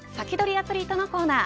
アツリートのコーナー